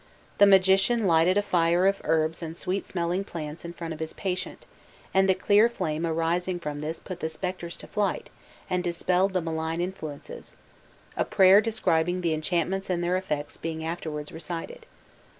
The magician lighted a fire of herbs and sweet smelling plants in front of his patient, and the clear flame arising from this put the spectres to flight and dispelled the malign influences, a prayer describing the enchantments and their effects being afterwards recited.